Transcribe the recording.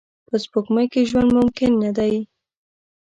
په سپوږمۍ کې ژوند ممکن نه دی